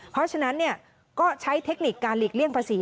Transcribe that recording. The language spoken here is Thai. เพราะฉะนั้นก็ใช้เทคนิคการหลีกเลี่ยงภาษี